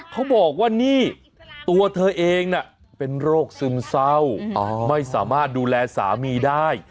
เขาบอกว่านี่ตัวเธอเองน่ะเป็นโรคซึมเศร้าไม่สามารถดูแลสามีได้